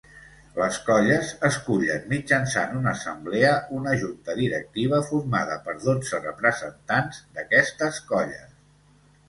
Les colles escullen, mitjançant una assemblea, una Junta Directiva formada per dotze representants d'aquestes colles.